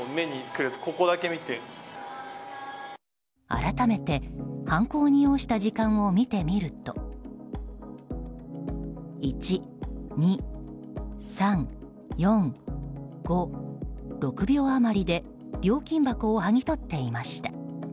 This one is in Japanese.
改めて、犯行に要した時間を見てみると１、２、３、４、５６秒あまりで料金箱をはぎ取っていました。